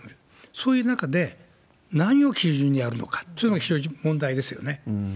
そういう中で、何を基準にやるのか、、そういうのが正直、問題ですよね。